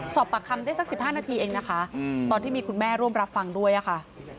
สอบปากคำได้สัก๑๕นาทีเองนะคะตอนที่มีคุณแม่ร่วมรับฟังด้วยค่ะ